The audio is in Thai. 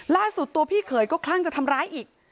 ล่าสุดตัวพี่เขยก็คลั่งจะทำร้ายอีก